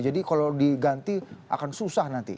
jadi kalau diganti akan susah nanti